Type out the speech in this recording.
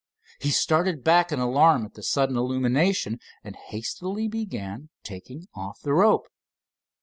He started back in alarm at the sudden illumination, and hastily began taking off the rope.